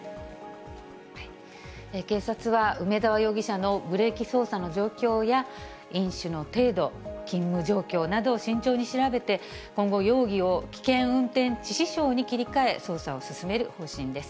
警察は、梅沢容疑者のブレーキ操作の状況や飲酒の程度、勤務状況などを慎重に調べて、今後、容疑を危険運転致死傷に切り替え、捜査を進める方針です。